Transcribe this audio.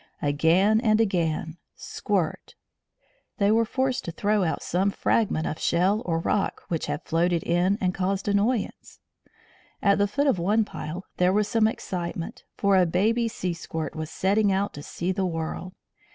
Again and again, squirt! They were forced to throw out some fragment of shell or rock which had floated in and caused annoyance. At the foot of one pile there was some excitement, for a baby sea squirt was setting out to see the world.